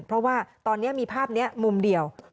เพราะว่าตอนนี้มีภาพนี้มุมเดียว